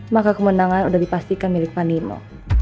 maka kemenangan udah dipastikan milik panino